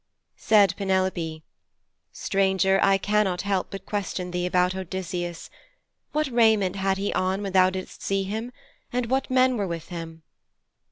Said Penelope, 'Stranger, I cannot help but question thee about Odysseus. What raiment had he on when thou didst see him? And what men were with him?'